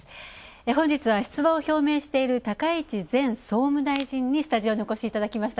本日は出馬を表明している高市前総務大臣にスタジオにおこしいただきました。